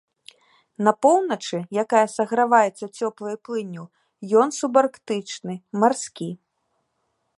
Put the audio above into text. На поўначы, якая саграваецца цёплай плынню, ён субарктычны марскі.